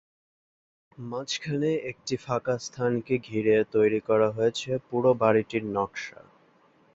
মাঝখানে একটি ফাঁকা স্থানকে ঘিরে তৈরি করা হয়েছে পুরো বাড়িটির নকশা।